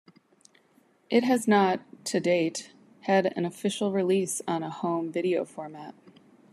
It has not, to date, had an official release on a home video format.